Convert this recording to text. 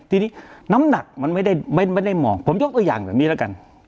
ทีนี้น้ำหนักมันไม่ได้มองผมยกตัวอย่างแบบนี้แล้วกัน